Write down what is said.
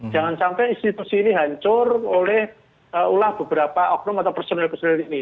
jangan sampai institusi ini hancur oleh ulah beberapa oknum atau personil personil ini